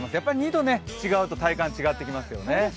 ２度違うと体感、違ってきますよね。